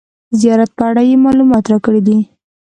زیارت په اړه یې معلومات راکړي دي.